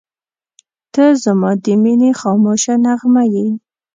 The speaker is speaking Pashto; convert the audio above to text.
• ته زما د مینې خاموشه نغمه یې.